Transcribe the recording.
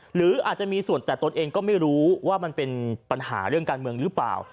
หรืออาจจะมีส่วนแต่ตนเองก็ไม่รู้ว่ามันเป็นปัญหาเรื่องการเมืองหรือเปล่า